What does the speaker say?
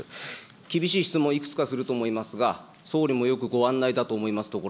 厳しい質問、いくつかすると思いますが、総理もよくご案内だと思います